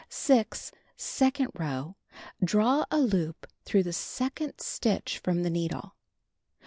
6. Second row: Draw a loop through the second stitch from the needle.